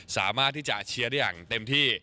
สามารถที่จะเชียร์ได้อย่างเต็มที่